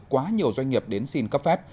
quá nhiều doanh nghiệp đến xin cấp phép